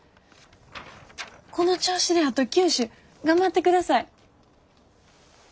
この調子であと９首頑張ってください。